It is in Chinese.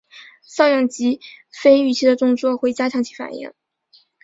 搔痒及非预期的动作会加强其反应。